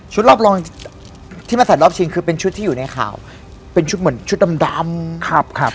รอบรองที่มาใส่รอบชิงคือเป็นชุดที่อยู่ในข่าวเป็นชุดเหมือนชุดดำดำครับ